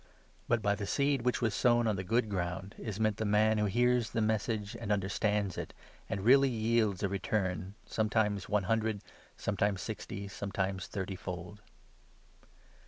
But by the seed which was sown on the 23 good ground is meant the man who hears the Message and understands it, and really yields a return, sometimes one hun dred, sometimes sixty, sometimes thirty fold.